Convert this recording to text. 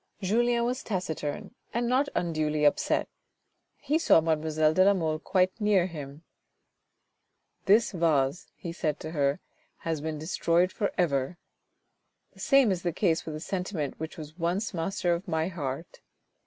Julien was taciturn, and not un duly upset. He saw mademoiselle de la Mole quite near him. "This vase," he said to her, "has been destroyed for ever. The same is the case with the sentiment which was once master of my heart.